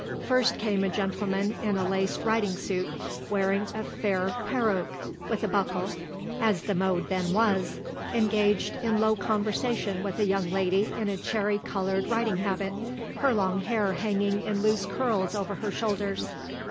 First came a gentleman in a laced riding suit, wearing a fair peruke with a buckle, as the mode then was, engaged in low conversation with a young lady in a cherry coloured riding habit, her long hair hanging in loose curls over her shoulders.